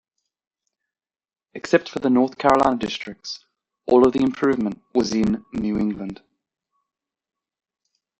Except for the North Carolina districts, all of the improvement was in New England.